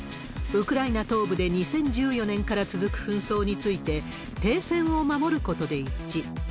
ウクライナ東部で２０１４年から続く紛争について、停戦を守ることで一致。